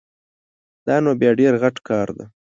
دا نو بیا ډېر غټ کار ده